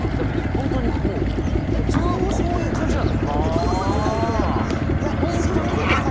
本当にもうずっとこういう感じなんだ。